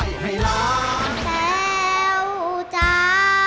แต้วจ้า